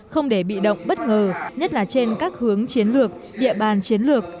không để bị động bất ngờ nhất là trên các hướng chiến lược địa bàn chiến lược